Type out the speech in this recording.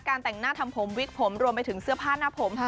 แต่งหน้าทำผมวิกผมรวมไปถึงเสื้อผ้าหน้าผม